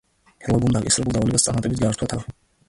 ჰულაგუმ დაკისრებულ დავალებას წარმატებით გაართვა თავი.